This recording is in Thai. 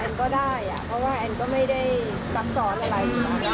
ก็แอนด์ก็ได้เพราะว่าแอนด์ก็ไม่ได้สัมสอบอะไร